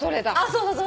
そうそう。